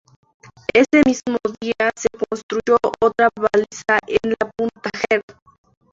Ese mismo día se construyó otra baliza en la punta Herd.